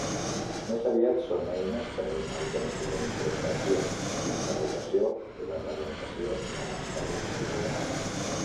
Més aviat són eines per a una autèntica introspecció, interrogació i representació de l'experiència humana.